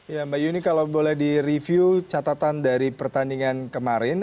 ya mbak yuni kalau boleh direview catatan dari pertandingan kemarin